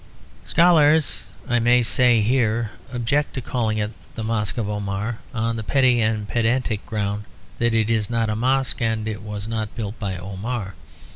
Scholars, I may say here, object to calling it the Mosque of Omar; on the petty and pedantic ground that it is not a mosque and was not built by Omar.